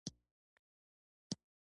په جنګ کی مونږ ته یو دوه فرق نکوي.